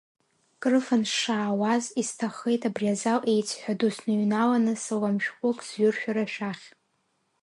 Қрыфан сшаауаз, исҭаххеит абри азал еиҵҳәа ду сныҩналаны, салам шәҟәык зҩыр шәара шәахь…